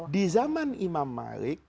di zaman imam malik